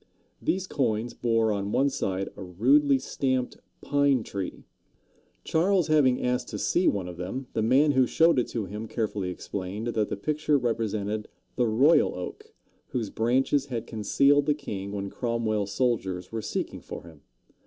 These coins bore on one side a rudely stamped pine tree. Charles having asked to see one of them, the man who showed it to him carefully explained that the picture represented the Royal Oak, whose branches had concealed the king when Cromwell's soldiers were seeking for him.